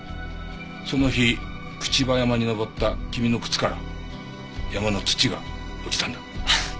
その日朽葉山に登った君の靴から山の土が落ちたんだ。